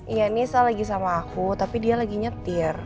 ya nisa lagi sama aku tapi dia lagi nyetir